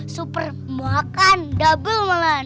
super makan double malahan